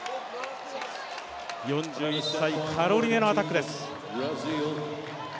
４１歳、カロリネのアタックです。